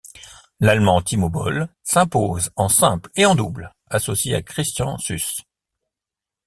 L'Allemand Timo Boll s'impose en simple et en double, associé à Christian Süss.